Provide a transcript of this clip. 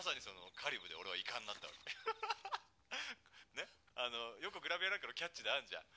ねっよくグラビアなんかのキャッチであんじゃん。